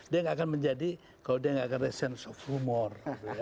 dia nggak akan menjadi kalau dia nggak akan resense of rumor